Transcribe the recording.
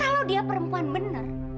kalau dia perempuan benar